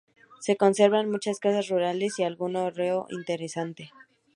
Se conserva muchas casas rurales, y algún hórreo interesante.